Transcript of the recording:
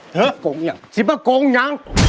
เจ้าที่โกงอย่างชิบะโกงอย่าง